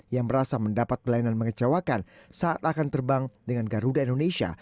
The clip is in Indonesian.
yang merasa mendapat pelayanan mengecewakan saat akan terbang dengan garuda indonesia